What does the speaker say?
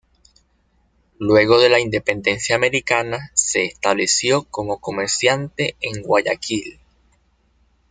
Luego de la independencia americana, se estableció como comerciante en Guayaquil.